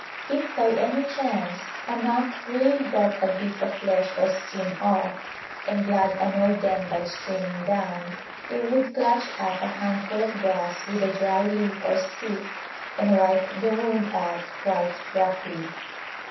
If by any chance a knock really brought a bit of flesh or skin off, and blood annoyed them by streaming down, they would clutch up a handful of grass with a dry leaf or stick, and wipe the wound out quite roughly.